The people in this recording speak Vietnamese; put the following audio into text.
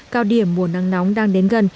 cao điểm mùa nắng nóng đang đến gần